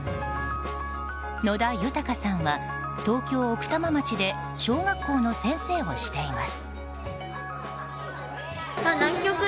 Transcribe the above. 野田豊さんは東京・奥多摩町で小学校の先生をしています。